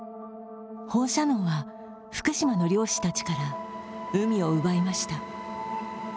放射能は福島の漁師たちから「海」を奪いました。